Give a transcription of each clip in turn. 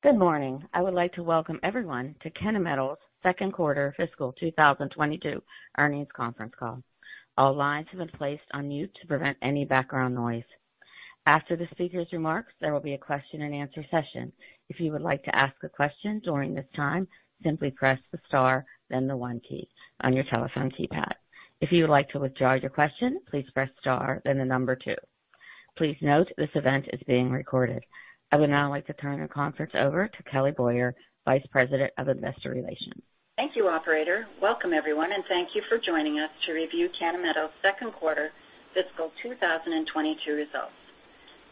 Good morning. I would like to welcome everyone to Kennametal's Second Quarter Fiscal 2022 Earnings Conference Call. All lines have been placed on mute to prevent any background noise. After the speaker's remarks, there will be a question-and-answer session. If you would like to ask a question during this time, simply press the star, then the 1 key on your telephone keypad. If you would like to withdraw your question, please press star, then the number 2. Please note this event is being recorded. I would now like to turn the conference over to Kelly Boyer, Vice President of Investor Relations. Thank you, operator. Welcome, everyone, and thank you for joining us to review Kennametal's second quarter fiscal 2022 results.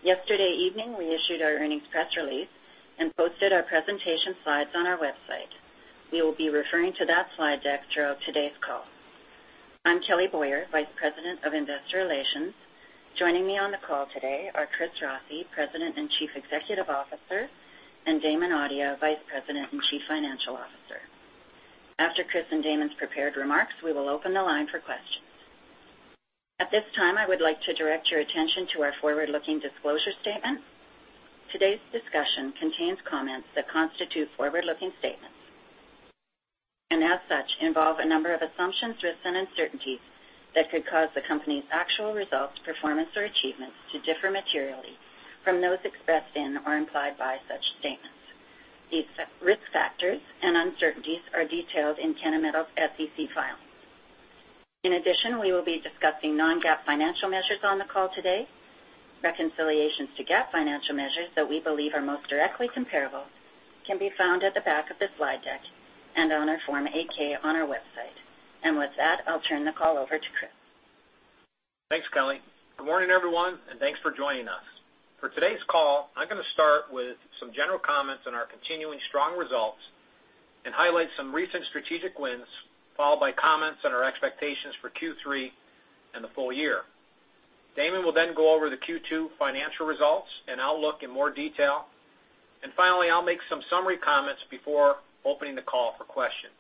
Yesterday evening, we issued our earnings press release and posted our presentation slides on our website. We will be referring to that slide deck throughout today's call. I'm Kelly Boyer, Vice President of Investor Relations. Joining me on the call today are Christopher Rossi, President and Chief Executive Officer, and Damon Audia, Vice President and Chief Financial Officer. After Chris and Damon's prepared remarks, we will open the line for questions. At this time, I would like to direct your attention to our forward-looking disclosure statement. Today's discussion contains comments that constitute forward-looking statements, and as such, involve a number of assumptions, risks, and uncertainties that could cause the company's actual results, performance, or achievements to differ materially from those expressed in or implied by such statements. These risk factors and uncertainties are detailed in Kennametal's SEC filing. In addition, we will be discussing non-GAAP financial measures on the call today. Reconciliations to GAAP financial measures that we believe are most directly comparable can be found at the back of the slide deck and on our Form 8-K on our website. With that, I'll turn the call over to Chris. Thanks, Kelly. Good morning, everyone, and thanks for joining us. For today's call, I'm gonna start with some general comments on our continuing strong results and highlight some recent strategic wins, followed by comments on our expectations for Q3 and the full year. Damon will then go over the Q2 financial results and outlook in more detail. Finally, I'll make some summary comments before opening the call for questions.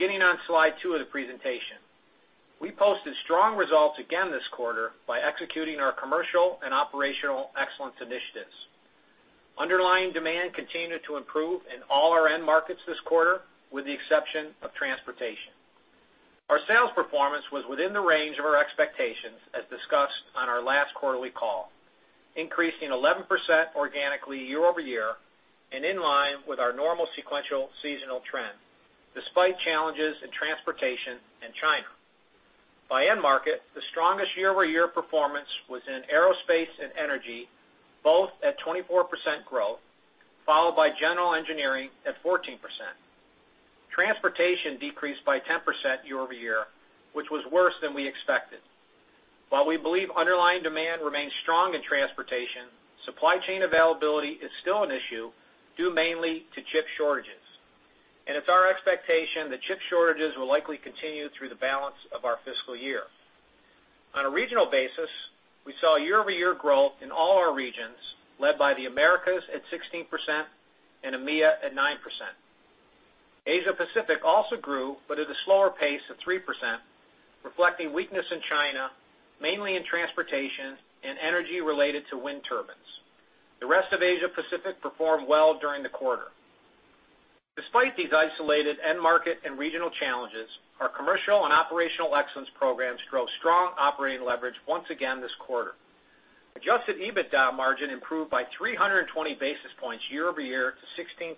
Beginning on slide 2 of the presentation. We posted strong results again this quarter by executing our commercial and operational excellence initiatives. Underlying demand continued to improve in all our end markets this quarter, with the exception of transportation. Our sales performance was within the range of our expectations, as discussed on our last quarterly call, increasing 11% organically year-over-year and in line with our normal sequential seasonal trend, despite challenges in transportation and China. By end market, the strongest year-over-year performance was in aerospace and energy, both at 24% growth, followed by general engineering at 14%. Transportation decreased by 10% year-over-year, which was worse than we expected. While we believe underlying demand remains strong in transportation, supply chain availability is still an issue due mainly to chip shortages, and it's our expectation that chip shortages will likely continue through the balance of our fiscal year. On a regional basis, we saw year-over-year growth in all our regions, led by the Americas at 16% and EMEA at 9%. Asia-Pacific also grew, but at a slower pace of 3%, reflecting weakness in China, mainly in transportation and energy related to wind turbines. The rest of Asia-Pacific performed well during the quarter. Despite these isolated end market and regional challenges, our commercial and operational excellence programs drove strong operating leverage once again this quarter. Adjusted EBITDA margin improved by 320 basis points year-over-year to 16.2%.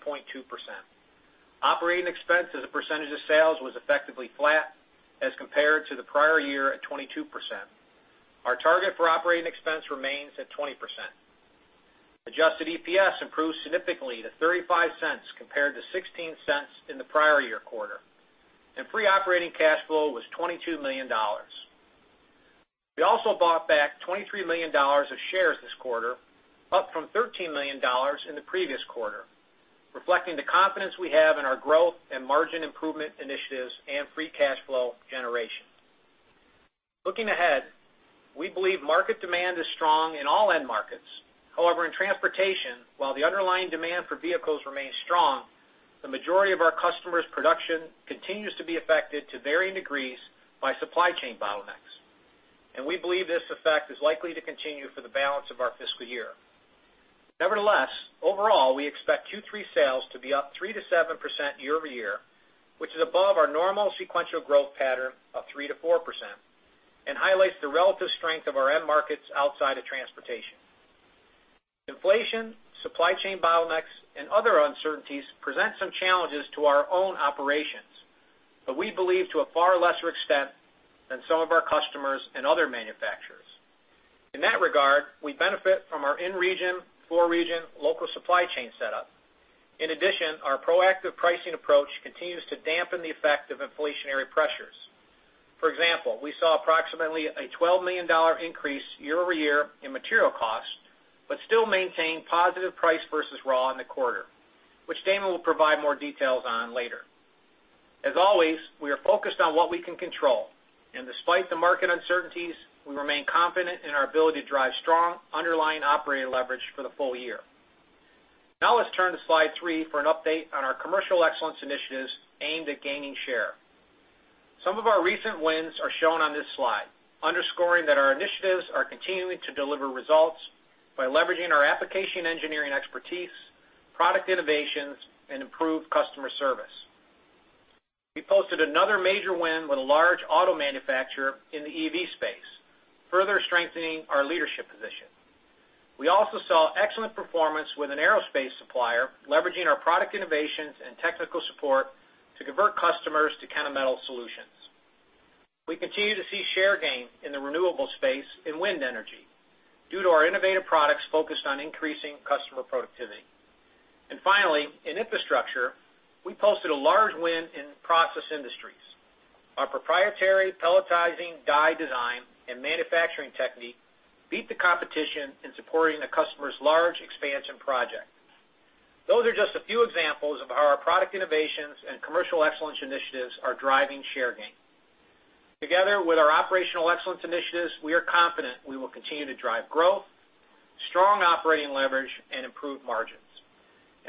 Operating expense as a percentage of sales was effectively flat as compared to the prior year at 22%. Our target for operating expense remains at 20%. Adjusted EPS improved significantly to $0.35 compared to $0.16 in the prior-year quarter, and free operating cash flow was $22 million. We also bought back $23 million of shares this quarter, up from $13 million in the previous quarter, reflecting the confidence we have in our growth and margin improvement initiatives and free cash flow generation. Looking ahead, we believe market demand is strong in all end markets. However, in transportation, while the underlying demand for vehicles remains strong, the majority of our customers' production continues to be affected to varying degrees by supply chain bottlenecks, and we believe this effect is likely to continue for the balance of our fiscal year. Nevertheless, overall, we expect Q3 sales to be up 3%-7% year-over-year, which is above our normal sequential growth pattern of 3%-4% and highlights the relative strength of our end markets outside of transportation. Inflation, supply chain bottlenecks, and other uncertainties present some challenges to our own operations, but we believe to a far lesser extent than some of our customers and other manufacturers. In that regard, we benefit from our in-region, for-region local supply chain setup. In addition, our proactive pricing approach continues to dampen the effect of inflationary pressures. For example, we saw approximately a $12 million increase year-over-year in material costs, but still maintained positive price versus raw in the quarter, which Damon will provide more details on later. As always, we are focused on what we can control. Despite the market uncertainties, we remain confident in our ability to drive strong underlying operating leverage for the full year. Now let's turn to slide three for an update on our commercial excellence initiatives aimed at gaining share. Some of our recent wins are shown on this slide, underscoring that our initiatives are continuing to deliver results by leveraging our application engineering expertise, product innovations, and improved customer service. We posted another major win with a large auto manufacturer in the EV space, further strengthening our leadership position. We also saw excellent performance with an aerospace supplier, leveraging our product innovations and technical support to convert customers to Kennametal solutions. We continue to see share gain in the renewable space in wind energy due to our innovative products focused on increasing customer productivity. Finally, in infrastructure, we posted a large win in process industries. Our proprietary pelletizing die design and manufacturing technique beat the competition in supporting the customer's large expansion project. Those are just a few examples of how our product innovations and commercial excellence initiatives are driving share gain. Together with our operational excellence initiatives, we are confident we will continue to drive growth, strong operating leverage, and improved margins.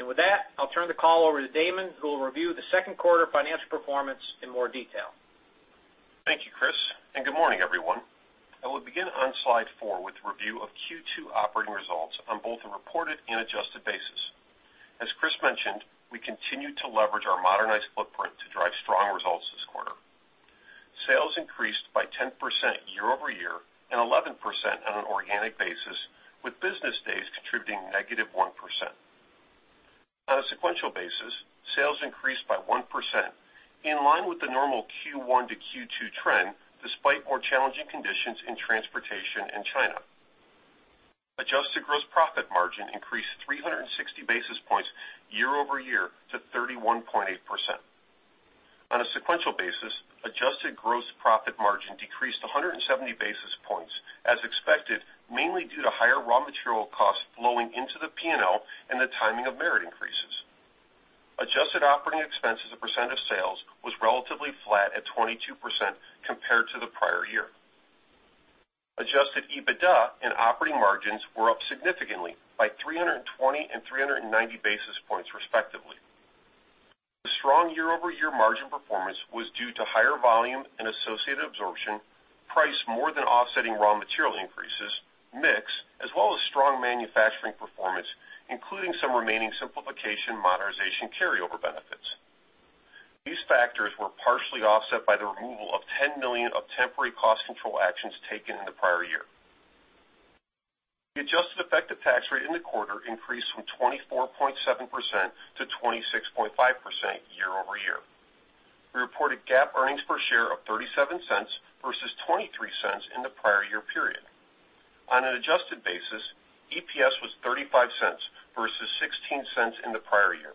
With that, I'll turn the call over to Damon, who will review the second quarter financial performance in more detail. Thank you, Chris, and good morning, everyone. I will begin on slide 4 with the review of Q2 operating results on both a reported and adjusted basis. As Chris mentioned, we continued to leverage our modernized footprint to drive strong results this quarter. Sales increased by 10% year-over-year and 11% on an organic basis, with business days contributing -1%. On a sequential basis, sales increased by 1%, in line with the normal Q1 to Q2 trend, despite more challenging conditions in transportation in China. Adjusted gross profit margin increased 360 basis points year-over-year to 31.8%. On a sequential basis, adjusted gross profit margin decreased 170 basis points as expected, mainly due to higher raw material costs flowing into the P&L and the timing of merit increases. Adjusted operating expense as a percent of sales was relatively flat at 22% compared to the prior year. Adjusted EBITDA and operating margins were up significantly by 320 and 390 basis points, respectively. The strong year-over-year margin performance was due to higher volume and associated absorption, price more than offsetting raw material increases, mix, as well as strong manufacturing performance, including some remaining simplification modernization carryover benefits. These factors were partially offset by the removal of $10 million of temporary cost control actions taken in the prior year. The adjusted effective tax rate in the quarter increased from 24.7% to 26.5% year over year. We reported GAAP earnings per share of $0.37 versus $0.23 in the prior year period. On an adjusted basis, EPS was $0.35 versus $0.16 in the prior year.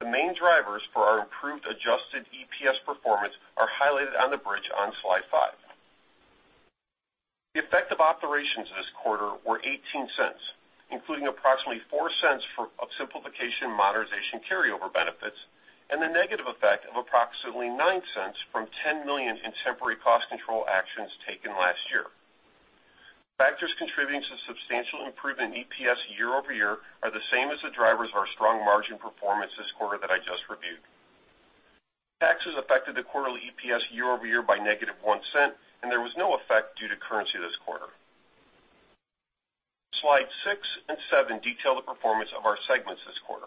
The main drivers for our improved adjusted EPS performance are highlighted on the bridge on slide 5. The effect of operations this quarter were $0.18, including approximately $0.04 of simplification modernization carryover benefits and the negative effect of approximately $0.09 from $10 million in temporary cost control actions taken last year. Factors contributing to the substantial improvement in EPS year-over-year are the same as the drivers of our strong margin performance this quarter that I just reviewed. Taxes affected the quarterly EPS year-over-year by negative $0.01, and there was no effect due to currency this quarter. Slides 6 and 7 detail the performance of our segments this quarter.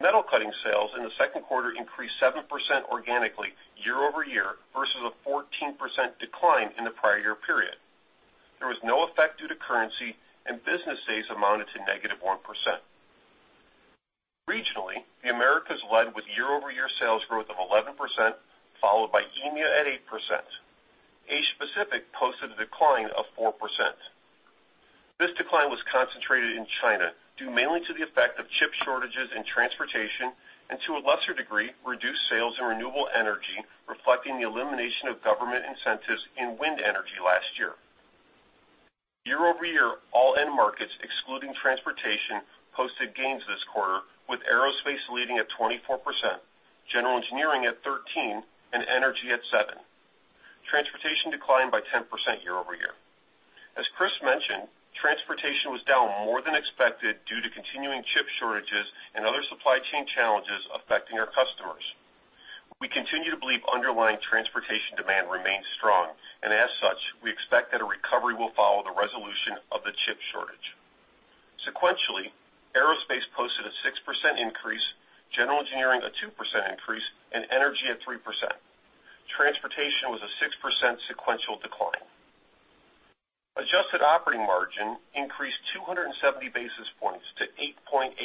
Metal Cutting sales in the second quarter increased 7% organically year-over-year versus a 14% decline in the prior year period. There was no effect due to currency, and business days amounted to -1%. Regionally, the Americas led with year-over-year sales growth of 11%, followed by EMEA at 8%. Asia-Pacific posted a decline of 4%. This decline was concentrated in China, due mainly to the effect of chip shortages in transportation and to a lesser degree, reduced sales in renewable energy, reflecting the elimination of government incentives in wind energy last year. Year-over-year, all end markets excluding transportation posted gains this quarter, with aerospace leading at 24%, general engineering at 13%, and energy at 7%. Transportation declined by 10% year-over-year. As Chris mentioned, transportation was down more than expected due to continuing chip shortages and other supply chain challenges affecting our customers. We continue to believe underlying transportation demand remains strong, and as such, we expect that a recovery will follow the resolution of the chip shortage. Sequentially, aerospace posted a 6% increase, general engineering a 2% increase, and energy at 3%. Transportation was a 6% sequential decline. Adjusted operating margin increased 270 basis points to 8.8%.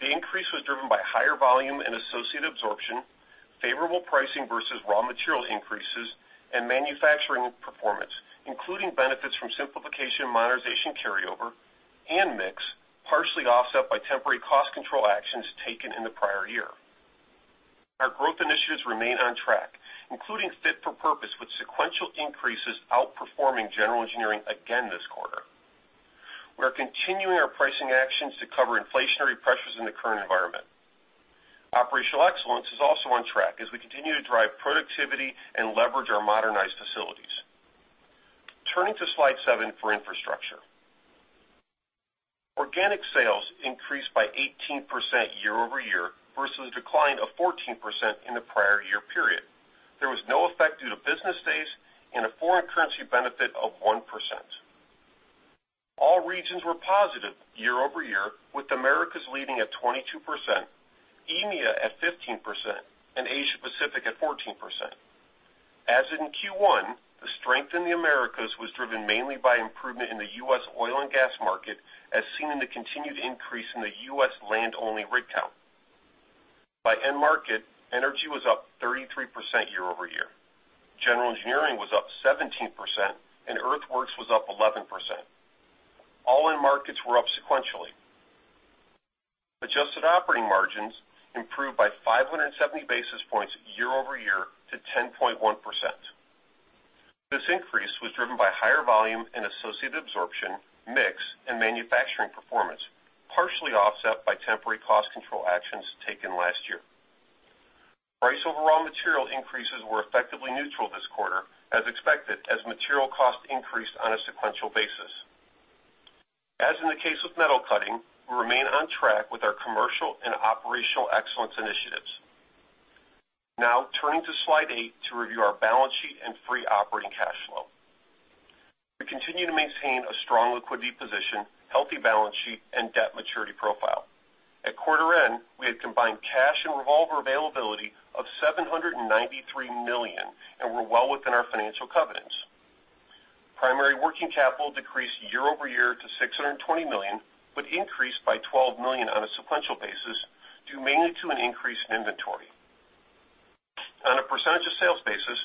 The increase was driven by higher volume and associated absorption, favorable pricing versus raw materials increases, and manufacturing performance, including benefits from simplification, modernization carryover, and mix, partially offset by temporary cost control actions taken in the prior year. Our growth initiatives remain on track, including fit-for-purpose, with sequential increases outperforming general engineering again this quarter. We are continuing our pricing actions to cover inflationary pressures in the current environment. Operational excellence is also on track as we continue to drive productivity and leverage our modernized facilities. Turning to Slide 7 for Infrastructure. Organic sales increased by 18% year-over-year versus a decline of 14% in the prior year period. There was no effect due to business days and a foreign currency benefit of 1%. All regions were positive year-over-year, with the Americas leading at 22%, EMEA at 15%, and Asia Pacific at 14%. As in Q1, the strength in the Americas was driven mainly by improvement in the U.S. oil and gas market, as seen in the continued increase in the U.S. land-only rig count. By end market, energy was up 33% year-over-year. General engineering was up 17%, and earthworks was up 11%. All end markets were up sequentially. Adjusted operating margins improved by 570 basis points year-over-year to 10.1%. This increase was driven by higher volume and associated absorption, mix, and manufacturing performance, partially offset by temporary cost control actions taken last year. Price over raw material increases were effectively neutral this quarter, as expected, as material costs increased on a sequential basis. As in the case with Metal Cutting, we remain on track with our commercial and operational excellence initiatives. Now turning to Slide 8 to review our balance sheet and free operating cash flow. We continue to maintain a strong liquidity position, healthy balance sheet, and debt maturity profile. At quarter end, we had combined cash and revolver availability of $793 million, and we're well within our financial covenants. Primary working capital decreased year-over-year to $620 million, but increased by $12 million on a sequential basis, due mainly to an increase in inventory. On a percentage of sales basis,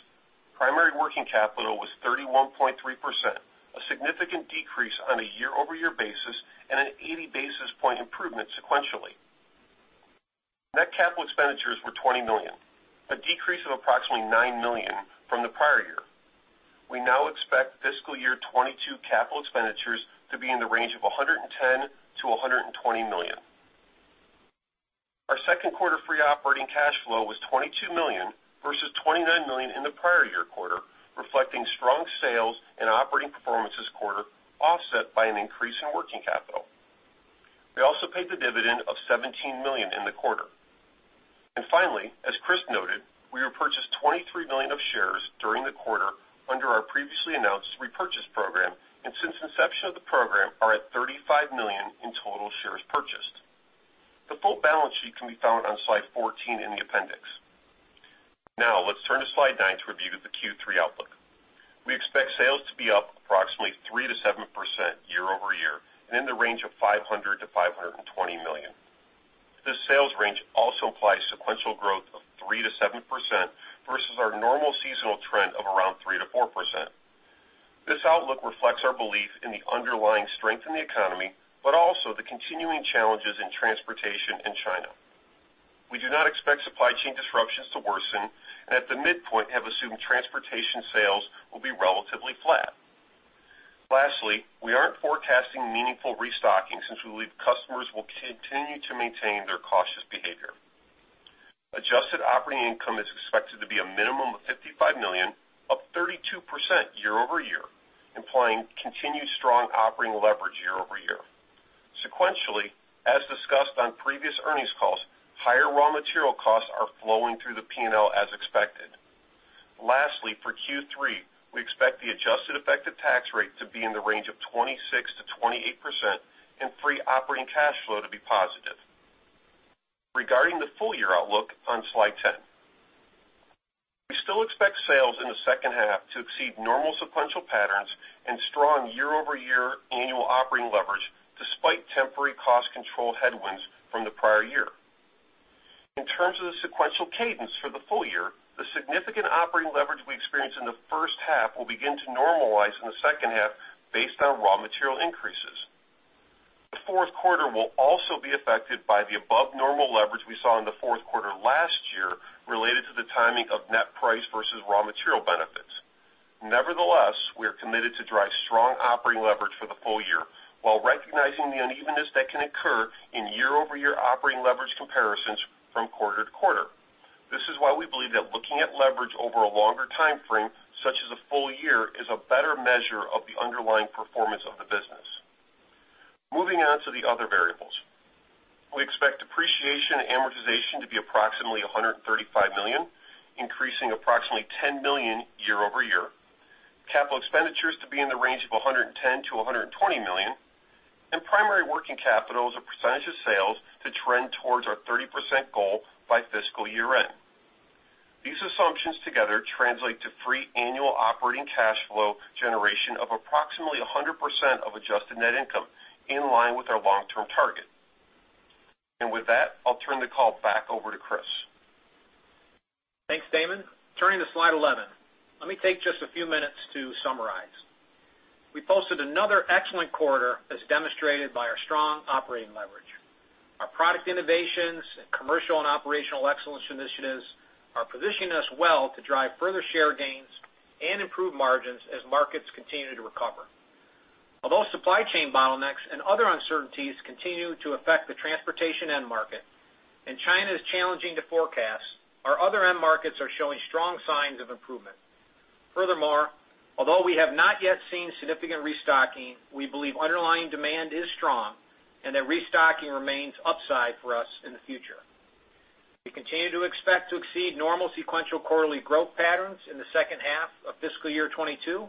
primary working capital was 31.3%, a significant decrease on a year-over-year basis, and an 80 basis point improvement sequentially. Net capital expenditures were $20 million, a decrease of approximately $9 million from the prior year. We now expect fiscal year 2022 capital expenditures to be in the range of $110 million-$120 million. Our second quarter free operating cash flow was $22 million versus $29 million in the prior year quarter, reflecting strong sales and operating performance this quarter, offset by an increase in working capital. We also paid the dividend of $17 million in the quarter. Finally, as Chris noted, we repurchased 23 million of shares during the quarter under our previously announced repurchase program, and since inception of the program, are at 35 million in total shares purchased. The full balance sheet can be found on Slide 14 in the appendix. Now let's turn to Slide 9 to review the Q3 outlook. We expect sales to be up approximately 3%-7% year-over-year and in the range of $500 million-$520 million. This sales range also implies sequential growth of 3%-7% versus our normal seasonal trend of around 3%-4%. This outlook reflects our belief in the underlying strength in the economy, but also the continuing challenges in transportation in China. We do not expect supply chain disruptions to worsen, and at the midpoint have assumed transportation sales will be relatively flat. Lastly, we aren't forecasting meaningful restocking since we believe customers will continue to maintain their cautious behavior. Adjusted operating income is expected to be a minimum of $55 million, up 32% year-over-year, implying continued strong operating leverage year-over-year. Sequentially, as discussed on previous earnings calls, higher raw material costs are flowing through the P&L as expected. Lastly, for Q3, we expect the adjusted effective tax rate to be in the range of 26%-28% and free operating cash flow to be positive. Regarding the full year outlook on Slide 10, we still expect sales in the second half to exceed normal sequential patterns and strong year-over-year annual operating leverage despite temporary cost control headwinds from the prior year. In terms of the sequential cadence for the full year, the significant operating leverage we experienced in the first half will begin to normalize in the second half based on raw material increases. The fourth quarter will also be affected by the above normal leverage we saw in the fourth quarter last year related to the timing of net price versus raw material benefits. Nevertheless, we are committed to drive strong operating leverage for the full year while recognizing the unevenness that can occur in year-over-year operating leverage comparisons from quarter to quarter. This is why we believe that looking at leverage over a longer time frame, such as a full year, is a better measure of the underlying performance of the business. Moving on to the other variables. We expect depreciation and amortization to be approximately $135 million, increasing approximately $10 million year-over-year. Capital expenditures to be in the range of $110 million-$120 million, and primary working capital as a percentage of sales to trend towards our 30% goal by fiscal year-end. These assumptions together translate to free annual operating cash flow generation of approximately 100% of adjusted net income, in line with our long-term target. With that, I'll turn the call back over to Chris. Thanks, Damon. Turning to slide 11, let me take just a few minutes to summarize. We posted another excellent quarter as demonstrated by our strong operating leverage. Our product innovations and commercial and operational excellence initiatives are positioning us well to drive further share gains and improve margins as markets continue to recover. Although supply chain bottlenecks and other uncertainties continue to affect the transportation end market and China is challenging to forecast, our other end markets are showing strong signs of improvement. Furthermore, although we have not yet seen significant restocking, we believe underlying demand is strong and that restocking remains upside for us in the future. We continue to expect to exceed normal sequential quarterly growth patterns in the second half of fiscal year 2022,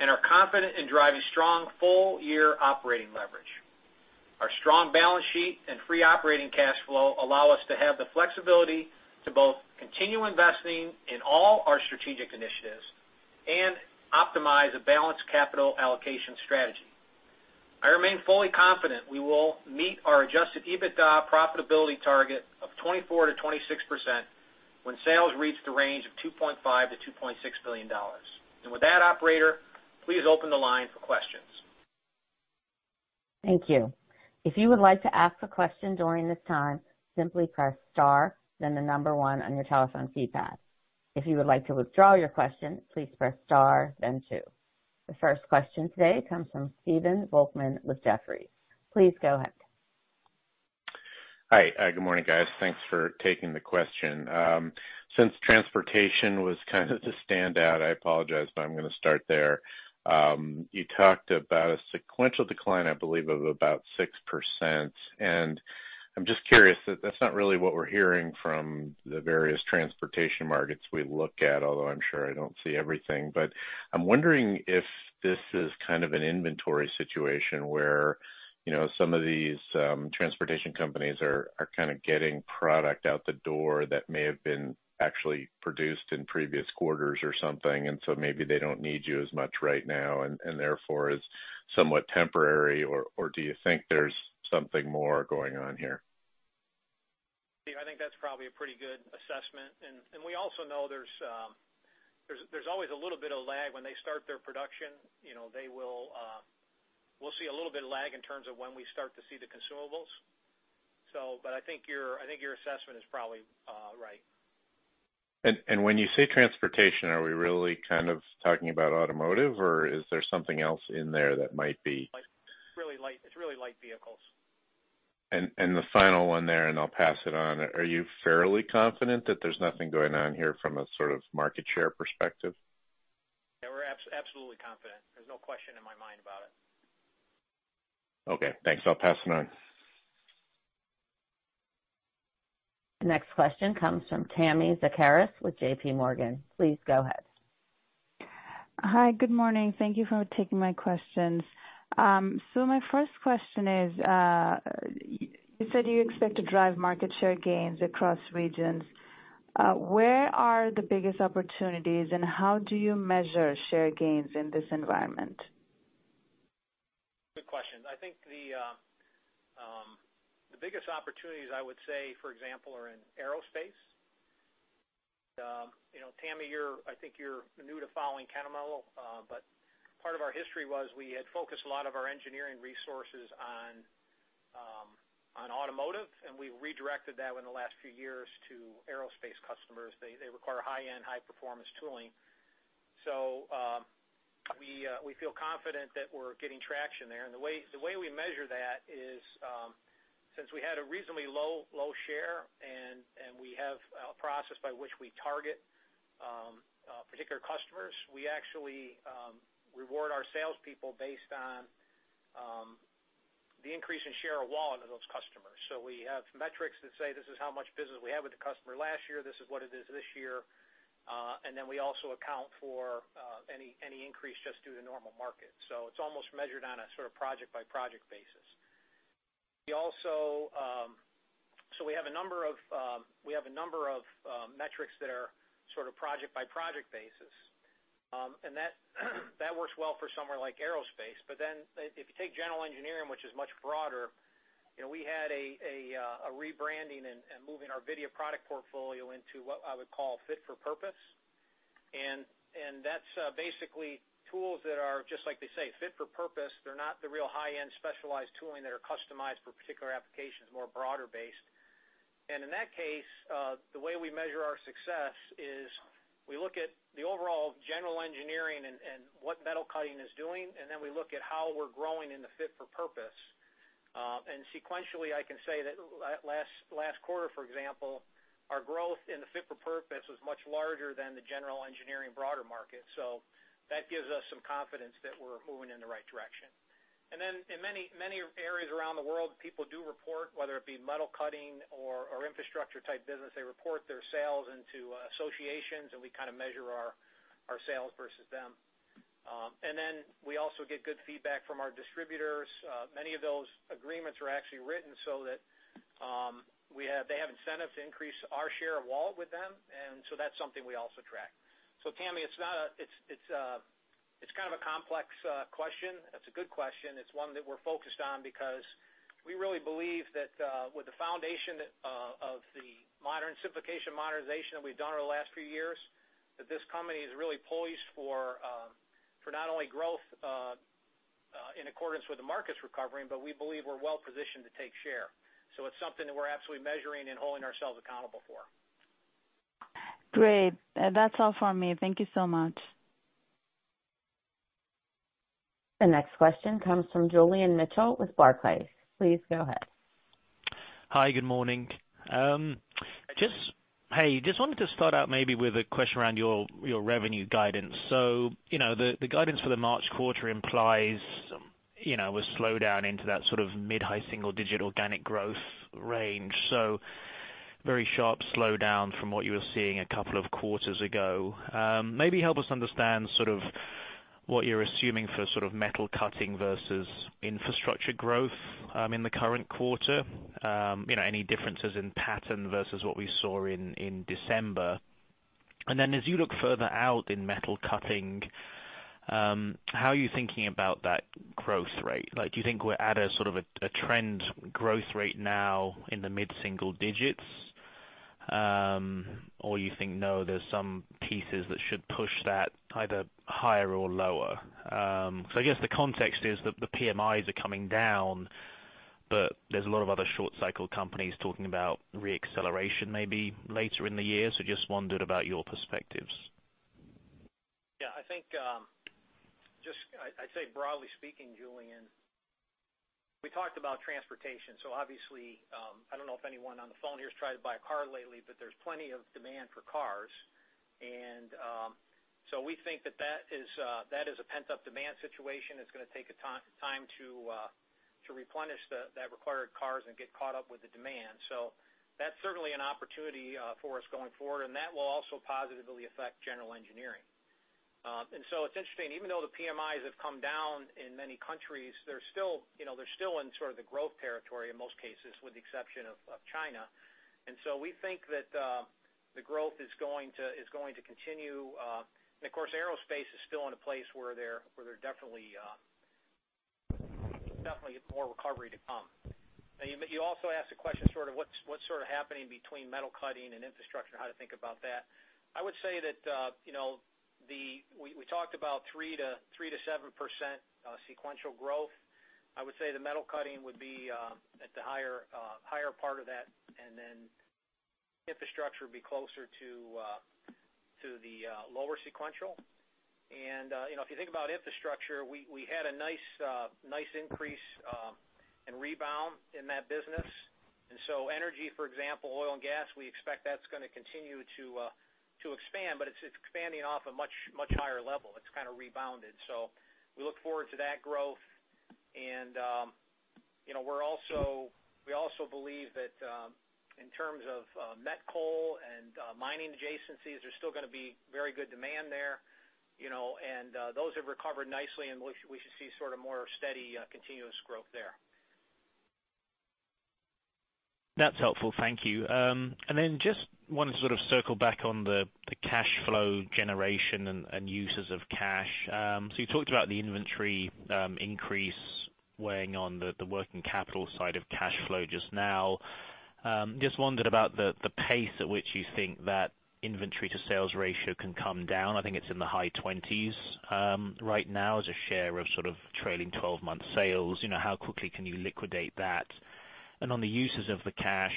and are confident in driving strong full year operating leverage. Our strong balance sheet and free operating cash flow allow us to have the flexibility to both continue investing in all our strategic initiatives and optimize a balanced capital allocation strategy. I remain fully confident we will meet our adjusted EBITDA profitability target of 24%-26% when sales reach the range of $2.5 billion-$2.6 billion. With that, operator, please open the line for questions. The first question today comes from Stephen Volkmann with Jefferies. Please go ahead. Hi. Good morning, guys. Thanks for taking the question. Since transportation was kind of the standout, I apologize, but I'm gonna start there. You talked about a sequential decline, I believe, of about 6%. I'm just curious, that's not really what we're hearing from the various transportation markets we look at, although I'm sure I don't see everything. I'm wondering if this is kind of an inventory situation where, you know, some of these transportation companies are kind of getting product out the door that may have been actually produced in previous quarters or something, and so maybe they don't need you as much right now, and therefore is somewhat temporary. Do you think there's something more going on here? Steve, I think that's probably a pretty good assessment. We also know there's always a little bit of lag when they start their production. You know, we'll see a little bit of lag in terms of when we start to see the consumables. I think your assessment is probably right. When you say transportation, are we really kind of talking about automotive or is there something else in there that might be- Like really light, it's really light vehicles. the final one there, and I'll pass it on. Are you fairly confident that there's nothing going on here from a sort of market share perspective? Yeah, we're absolutely confident. There's no question in my mind about it. Okay, thanks. I'll pass it on. The next question comes from Tami Zakaria with J.P. Morgan. Please go ahead. Hi. Good morning. Thank you for taking my questions. My first question is, you said you expect to drive market share gains across regions. Where are the biggest opportunities and how do you measure share gains in this environment? Good question. I think the biggest opportunities, I would say, for example, are in aerospace. You know, Tami, I think you're new to following Kennametal, but part of our history was we had focused a lot of our engineering resources on automotive, and we redirected that in the last few years to aerospace customers. They require high-end, high-performance tooling. We feel confident that we're getting traction there. The way we measure that is since we had a reasonably low share and we have a process by which we target particular customers, we actually reward our salespeople based on the increase in share of wallet of those customers. We have metrics that say, this is how much business we had with the customer last year, this is what it is this year. We also account for any increase just due to normal market. It's almost measured on a sort of project by project basis. We also have a number of metrics that are sort of project by project basis. That works well for somewhere like aerospace. If you take general engineering, which is much broader, we had a rebranding and moving our WIDIA product portfolio into what I would call fit-for-purpose. That's basically tools that are just like they say, fit-for-purpose. They're not the real high-end specialized tooling that are customized for particular applications, more broad-based. In that case, the way we measure our success is we look at the overall general engineering and what Metal Cutting is doing, and then we look at how we're growing in the fit-for-purpose. Sequentially, I can say that last quarter, for example, our growth in the fit-for-purpose was much larger than the general engineering, broader market. That gives us some confidence that we're moving in the right direction. In many areas around the world, people do report whether it be Metal Cutting or infrastructure-type business. They report their sales into associations and we kind of measure our sales versus them. We also get good feedback from our distributors. Many of those agreements are actually written so that they have incentive to increase our share of wallet with them. That's something we also track. Tami, it's kind of a complex question. It's a good question. It's one that we're focused on because we really believe that with the foundation of the modern simplification, modernization that we've done over the last few years, that this company is really poised for not only growth in accordance with the market's recovery, but we believe we're well positioned to take share. It's something that we're absolutely measuring and holding ourselves accountable for. Great. That's all for me. Thank you so much. The next question comes from Julian Mitchell with Barclays. Please go ahead. Hi, good morning. Just wanted to start out maybe with a question around your revenue guidance. You know, the guidance for the March quarter implies a slowdown into that sort of mid- to high-single-digit organic growth range. Very sharp slowdown from what you were seeing a couple of quarters ago. Maybe help us understand what you're assuming for Metal Cutting versus Infrastructure growth in the current quarter. You know, any differences in pattern versus what we saw in December. Then as you look further out in Metal Cutting, how are you thinking about that growth rate? Like, do you think we're at a trend growth rate now in the mid-single-digits? There's some pieces that should push that either higher or lower. I guess the context is that the PMIs are coming down, but there's a lot of other short cycle companies talking about re-acceleration maybe later in the year. Just wondered about your perspectives. I think, just I say broadly speaking, Julian, we talked about transportation. Obviously, I don't know if anyone on the phone here has tried to buy a car lately, but there's plenty of demand for cars. We think that is a pent-up demand situation. It's gonna take a time to replenish that required cars and get caught up with the demand. That's certainly an opportunity for us going forward, and that will also positively affect general engineering. It's interesting. Even though the PMIs have come down in many countries, they're still, you know, in sort of the growth territory in most cases with the exception of China. We think that the growth is going to continue. Of course, aerospace is still in a place where there definitely more recovery to come. Now you also asked a question sort of what's sort of happening between Metal Cutting and infrastructure and how to think about that. I would say that, you know, we talked about 3%-7% sequential growth. I would say Metal Cutting would be at the higher part of that, and then infrastructure would be closer to the lower sequential. You know, if you think about infrastructure, we had a nice increase and rebound in that business. Energy, for example, oil and gas, we expect that's gonna continue to expand, but it's expanding off a much higher level. It's kinda rebounded. We look forward to that growth. You know, we're also we also believe that in terms of met coal and mining adjacencies, there's still gonna be very good demand there, you know, and those have recovered nicely, and we should see sort of more steady continuous growth there. That's helpful. Thank you. Just wanna sort of circle back on the cash flow generation and uses of cash. You talked about the inventory increase weighing on the working capital side of cash flow just now. Just wondered about the pace at which you think that inventory to sales ratio can come down. I think it's in the high twenties right now as a share of sort of trailing twelve-month sales. You know, how quickly can you liquidate that? On the uses of the cash,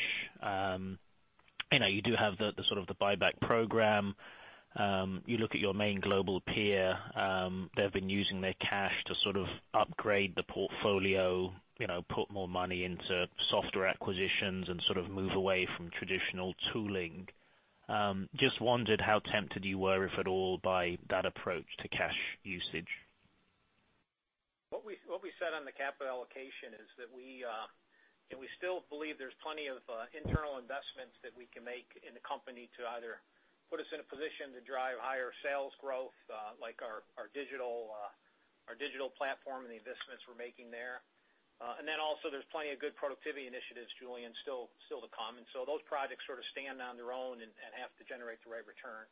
you know, you do have the sort of buyback program. You look at your main global peer. They've been using their cash to sort of upgrade the portfolio, you know, put more money into software acquisitions and sort of move away from traditional tooling. Just wondered how tempted you were, if at all, by that approach to cash usage? What we said on the capital allocation is that we, you know, we still believe there's plenty of internal investments that we can make in the company to either put us in a position to drive higher sales growth, like our digital platform and the investments we're making there. Also there's plenty of good productivity initiatives, Julian, still to come. Those projects sort of stand on their own and have to generate the right return.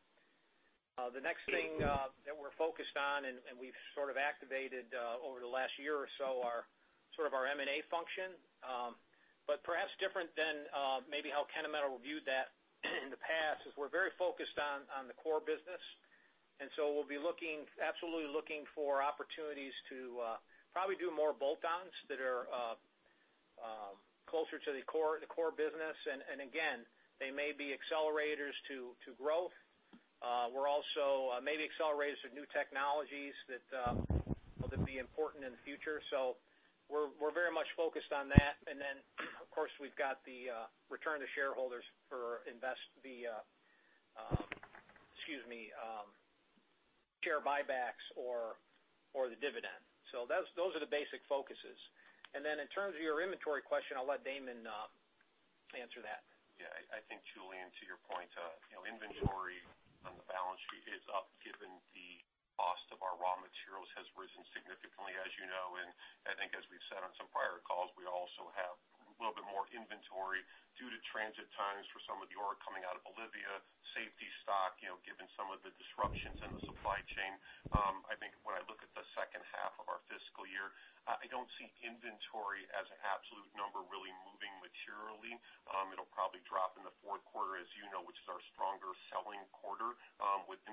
The next thing that we're focused on and we've sort of activated over the last year or so, our M&A function, but perhaps different than maybe how Kennametal viewed that in the past, is we're very focused on the core business. We'll be looking, absolutely looking for opportunities to probably do more bolt-ons that are closer to the core business. Again, they may be accelerators to growth. We're also maybe accelerators for new technologies that will be important in the future. We're very much focused on that. Of course, we've got the return to shareholders, share buybacks or the dividend. Those are the basic focuses. In terms of your inventory question, I'll let Damon answer that. Yeah. I think, Julian, to your point, you know, inventory on the balance sheet is up given the cost of our raw materials has risen significantly, as you know. I think as we've said on some prior calls, we also have a little bit more inventory due to transit times for some of the ore coming out of Bolivia, safety stock, you know, given some of the disruptions in the supply chain. I think when I look at the second half of our fiscal year, I don't see inventory as an absolute number really moving materially. It'll probably drop in the fourth quarter, as you know, which is our stronger selling quarter.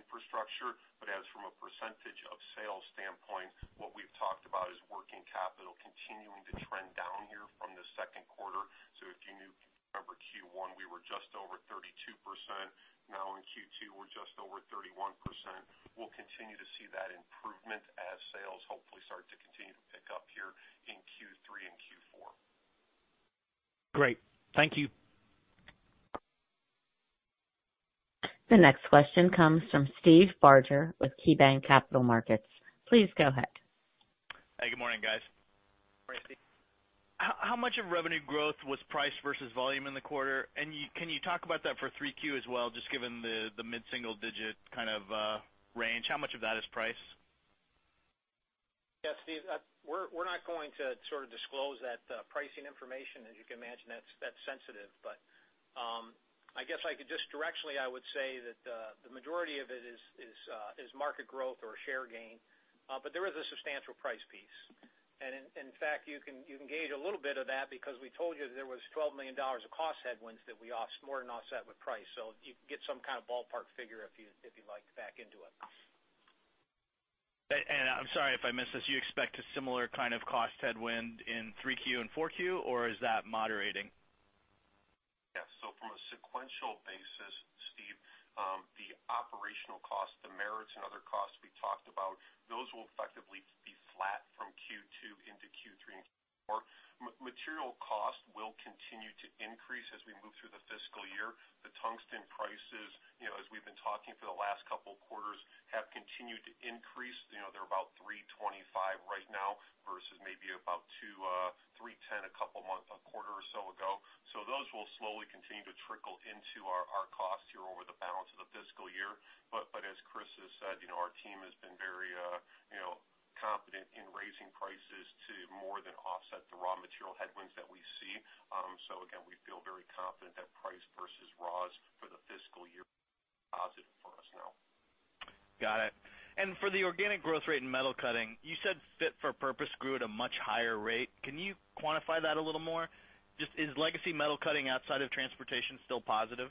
Infrastructure, as far as from a percentage of sales standpoint, what we've talked about is working capital continuing to trend down here from the second quarter. If you know, remember Q1, we were just over 32%. Now in Q2, we're just over 31%. We'll continue to see that improvement as sales hopefully start to continue to pick up here in Q3 and Q4. Great. Thank you. The next question comes from Steve Barger with KeyBanc Capital Markets. Please go ahead. Hey, good morning, guys. Morning, Steve. How much of revenue growth was price versus volume in the quarter? Can you talk about that for Q3 as well, just given the mid-single digit kind of range, how much of that is price? Yeah, Steve, we're not going to sort of disclose that pricing information. As you can imagine, that's sensitive. I guess I could just directionally. I would say that the majority of it is market growth or share gain. There is a substantial price piece. In fact, you can gauge a little bit of that because we told you there was $12 million of cost headwinds that we more than offset with price. You can get some kind of ballpark figure if you'd like to back into it. I'm sorry if I missed this. You expect a similar kind of cost headwind in Q3 and Q4, or is that moderating? Yeah. From a sequential basis, Steve, the operational costs, the metrics, and other costs we talked about, those will effectively be flat from Q2 into Q3 and Q4. Material costs will continue to increase as we move through the fiscal year. The tungsten prices, you know, as we've been talking for the last couple of quarters, have continued to increase. You know, they're about 325 right now versus maybe about 230 a couple of a quarter or so ago. Those will slowly continue to trickle into our costs here over the balance of the fiscal year. But as Chris has said, you know, our team has been very, you know, confident in raising prices to more than offset the raw material headwinds that we see. We feel very confident that price versus raw for the fiscal year positive for us now. Got it. For the organic growth rate in Metal Cutting, you said fit-for-purpose grew at a much higher rate. Can you quantify that a little more? Just is legacy Metal Cutting outside of transportation still positive?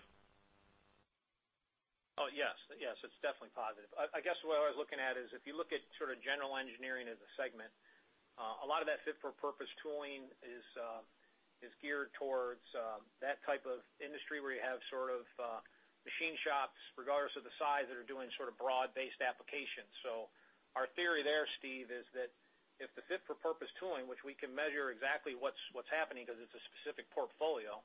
Oh, yes. Yes, it's definitely positive. I guess what I was looking at is if you look at sort of General Engineering as a segment, a lot of that fit for purpose tooling is geared towards that type of industry where you have sort of machine shops, regardless of the size, that are doing sort of broad-based applications. Our theory there, Steve, is that if the fit for purpose tooling, which we can measure exactly what's happening because it's a specific portfolio,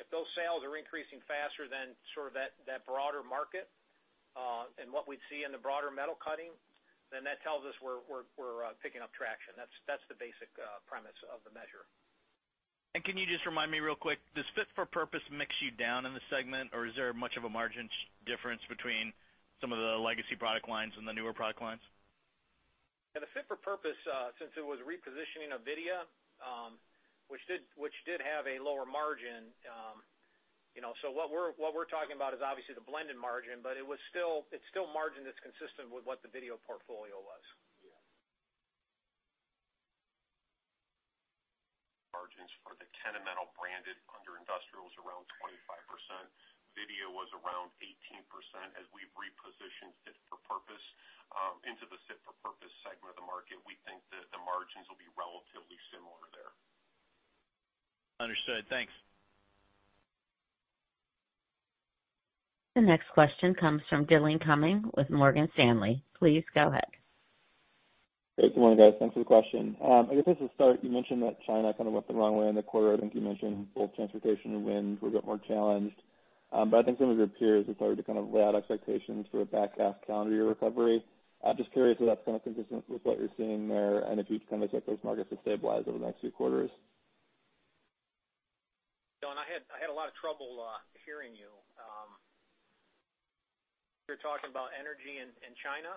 if those sales are increasing faster than sort of that broader market and what we'd see in the broader Metal Cutting, then that tells us we're picking up traction. That's the basic premise of the measure. Can you just remind me real quick, does fit-for-purpose mix you down in the segment, or is there much of a margin difference between some of the legacy product lines and the newer product lines? The fit-for-purpose, since it was repositioning of WIDIA, which did have a lower margin, you know. What we're talking about is obviously the blended margin, but it was still, it's still margin that's consistent with what the WIDIA portfolio was. Yeah. Margins for the Kennametal branded under industrial is around 25%. WIDIA was around 18%. As we've repositioned fit-for-purpose into the fit-for-purpose segment of the market, we think that the margins will be relatively similar there. Understood. Thanks. The next question comes from Angel Castillo with Morgan Stanley. Please go ahead. Great. Good morning, guys. Thanks for the question. I guess as a start, you mentioned that China kind of went the wrong way in the quarter. I think you mentioned both transportation and wind were a bit more challenged. I think some of your peers have started to kind of lay out expectations for a back half calendar year recovery. I'm just curious if that's kind of consistent with what you're seeing there, and if you'd kind of expect those markets to stabilize over the next few quarters. Angel, I had a lot of trouble hearing you. You're talking about energy in China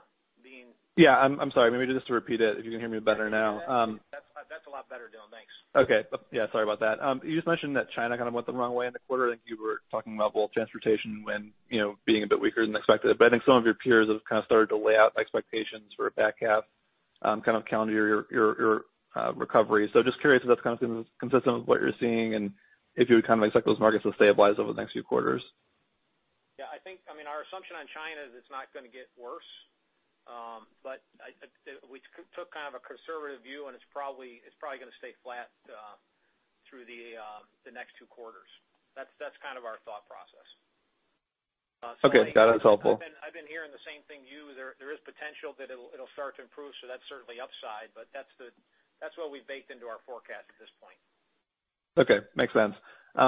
being- Yeah. I'm sorry. Maybe just to repeat it, if you can hear me better now. That's a lot better, Angel. Thanks. Okay. Yeah, sorry about that. You just mentioned that China kind of went the wrong way in the quarter. I think you were talking about both transportation and wind, you know, being a bit weaker than expected. I think some of your peers have kind of started to lay out expectations for a back half kind of calendar year recovery. Just curious if that's kind of consistent with what you're seeing, and if you would kind of expect those markets to stabilize over the next few quarters. Yeah, I think I mean, our assumption on China is it's not gonna get worse. We took kind of a conservative view, and it's probably gonna stay flat through the next two quarters. That's kind of our thought process. So Okay. Got it. That's helpful. I've been hearing the same thing too. There is potential that it'll start to improve, so that's certainly upside. But that's what we've baked into our forecast at this point. Okay. Makes sense.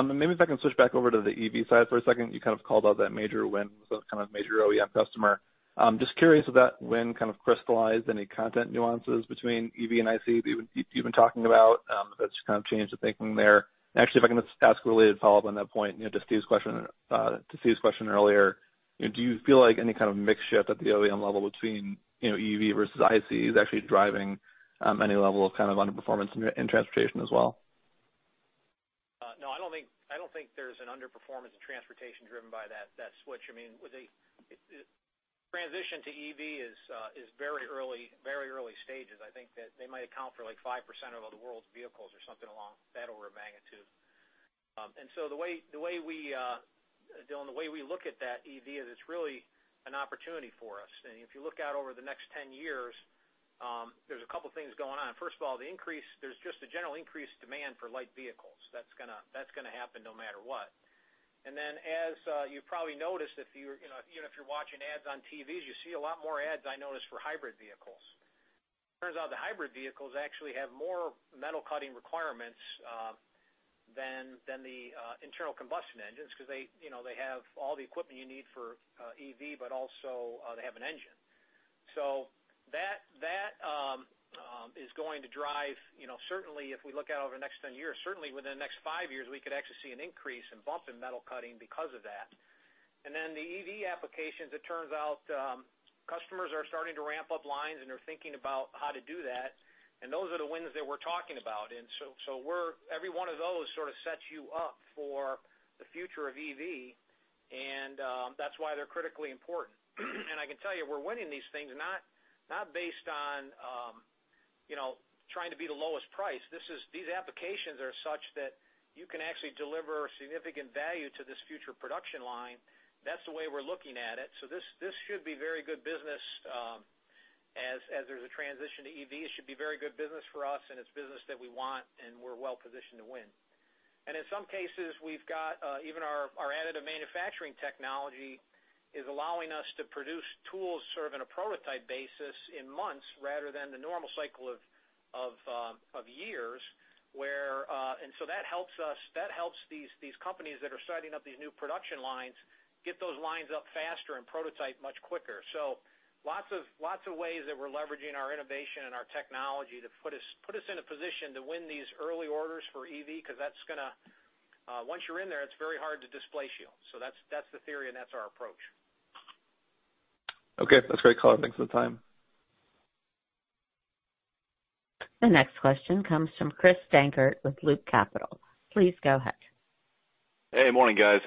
Maybe if I can switch back over to the EV side for a second. You kind of called out that major win with a kind of major OEM customer. I'm just curious if that win kind of crystallized any content nuances between EV and IC that you've been talking about, if it's kind of changed the thinking there. Actually, if I can just ask a related follow-up on that point, you know, to Steve's question earlier. You know, do you feel like any kind of mix shift at the OEM level between, you know, EV versus IC is actually driving any level of kind of underperformance in transportation as well? No, I don't think there's an underperformance in transportation driven by that switch. I mean, Transition to EV is very early stages. I think that they might account for, like, 5% of all the world's vehicles or something along that order of magnitude. The way we, Angel, the way we look at that EV is it's really an opportunity for us. If you look out over the next 10 years, there's a couple of things going on. First of all, there's just a general increased demand for light vehicles. That's gonna happen no matter what. Then as you probably noticed, if you're, you know, even if you're watching ads on TVs, you see a lot more ads, I noticed, for hybrid vehicles. Turns out the hybrid vehicles actually have more Metal Cutting requirements than the internal combustion engines 'cause they, you know, they have all the equipment you need for EV, but also they have an engine. That is going to drive, you know, certainly if we look out over the next 10 years, certainly within the next five years, we could actually see an increase and bump in Metal Cutting because of that. Then the EV applications, it turns out, customers are starting to ramp up lines, and they're thinking about how to do that, and those are the wins that we're talking about. Every one of those sort of sets you up for the future of EV, and that's why they're critically important. I can tell you we're winning these things not based on, you know, trying to be the lowest price. These applications are such that you can actually deliver significant value to this future production line. That's the way we're looking at it. This should be very good business as there's a transition to EV. It should be very good business for us, and it's business that we want, and we're well positioned to win. In some cases, we've got even our additive manufacturing technology is allowing us to produce tools, sort of in a prototype basis, in months rather than the normal cycle of years where that helps us. That helps these companies that are setting up these new production lines get those lines up faster and prototype much quicker. Lots of ways that we're leveraging our innovation and our technology to put us in a position to win these early orders for EV, 'cause that's gonna. Once you're in there, it's very hard to displace you. That's the theory, and that's our approach. Okay, that's great color. Thanks for the time. The next question comes from Chris Dankert with Loop Capital. Please go ahead. Hey, morning, guys.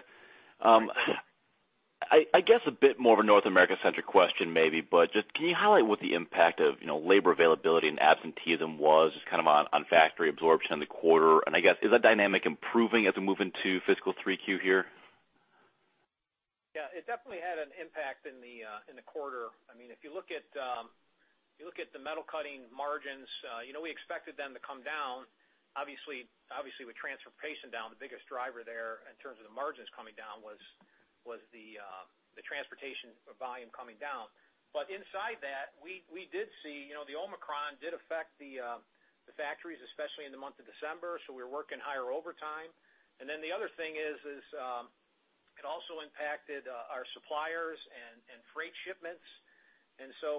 I guess a bit more of a North America-centric question maybe, but just can you highlight what the impact of, you know, labor availability and absenteeism was just kind of on factory absorption in the quarter? I guess, is that dynamic improving as we move into fiscal 3Q here? Yeah, it definitely had an impact in the quarter. I mean, if you look at the Metal Cutting margins, you know, we expected them to come down. Obviously, with transportation down, the biggest driver there in terms of the margins coming down was the transportation volume coming down. But inside that, we did see, you know, the Omicron did affect the factories, especially in the month of December, so we were working higher overtime. Then the other thing is, it also impacted our suppliers and freight shipments.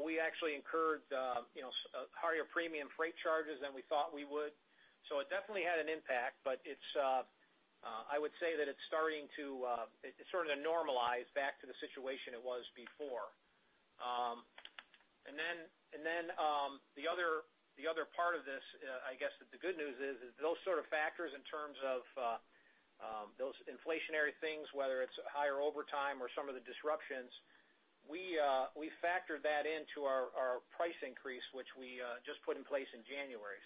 We actually incurred, you know, higher premium freight charges than we thought we would. It definitely had an impact, but I would say that it's starting to normalize back to the situation it was before. Then the other part of this, I guess the good news is those sort of factors in terms of those inflationary things, whether it's higher overtime or some of the disruptions, we factored that into our price increase, which we just put in place in January.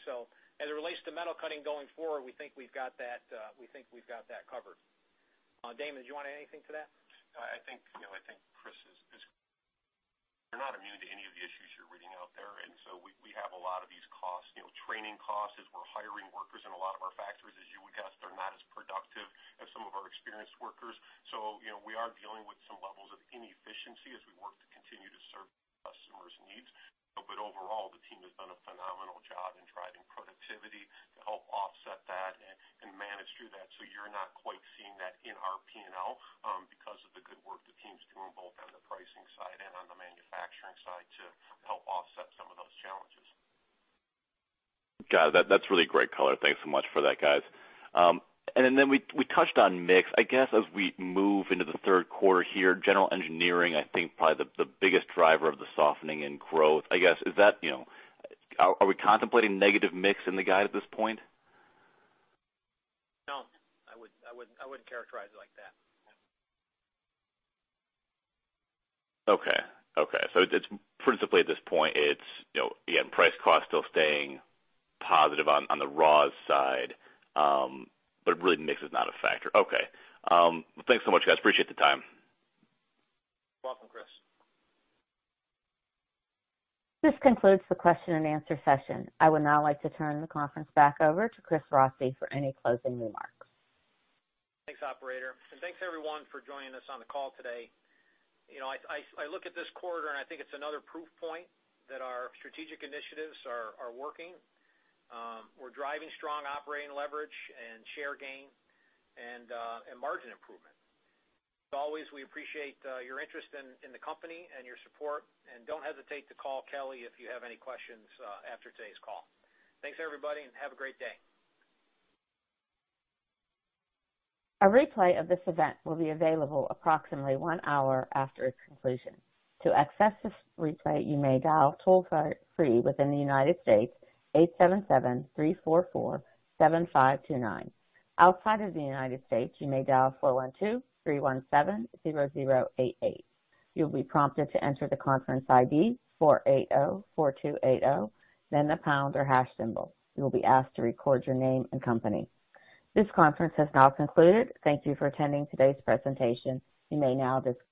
As it relates to Metal Cutting going forward, we think we've got that covered. Damon, did you want to add anything to that? I think, you know, I think Chris is. We're not immune to any of the issues you're reading out there, and so we have a lot of these costs, you know, training costs as we're hiring workers in a lot of our factories. As you would guess, they're not as productive as some of our experienced workers. You know, we are dealing with some levels of inefficiency as we work to continue to serve customers' needs. But overall, the team has done a phenomenal job in driving productivity to help offset that and manage through that. You're not quite seeing that in our P&L because of the good work the team's doing both on the pricing side and on the manufacturing side to help offset some of those challenges. Got it. That's really great color. Thanks so much for that, guys. We touched on mix. I guess as we move into the third quarter here, general engineering, I think probably the biggest driver of the softening in growth. Are we contemplating negative mix in the guide at this point? No, I wouldn't characterize it like that. Okay. It's principally at this point, it's, you know, again, price cost still staying positive on the raw side, but really mix is not a factor. Okay. Thanks so much, guys. Appreciate the time. Welcome, Chris. This concludes the question and answer session. I would now like to turn the conference back over to Christopher Rossi for any closing remarks. Thanks, operator, and thanks everyone for joining us on the call today. You know, I look at this quarter, and I think it's another proof point that our strategic initiatives are working. We're driving strong operating leverage and share gain and margin improvement. As always, we appreciate your interest in the company and your support, and don't hesitate to call Kelly if you have any questions after today's call. Thanks, everybody, and have a great day. This conference has now concluded. Thank you for attending today's presentation. You may now dis-